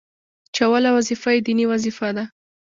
چي اوله وظيفه يې ديني وظيفه ده،